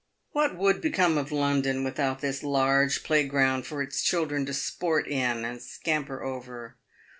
"What would become of London without this large playground for its children to sport in and scamper over